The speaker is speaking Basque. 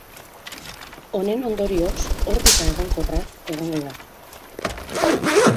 Honen ondorioz, orbita egonkorra egongo da.